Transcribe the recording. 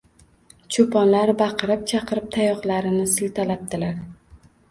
Cho’ponlar baqi- rib-chaqirib tayoqlarini siltabdilar